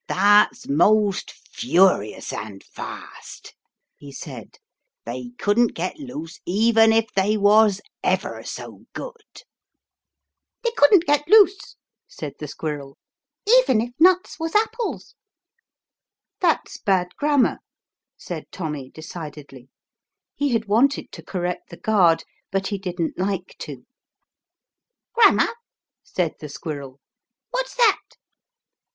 " That's most furious and fast," he said; "they couldn't get loose even if they was ever so good." " They couldn't get loose," said the squirrel, "even if nuts was apples." Tom, not having been in bed, refuses to get up. 29 "That's bad grammar/' said Tommy decidedly; he had wanted to correct the guard, but he didn't like to. "Grammar," said the squirrel, "what's that?"